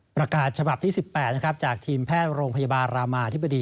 ประกาศฉบับที่๑๘นะครับจากทีมแพทย์โรงพยาบาลรามาธิบดี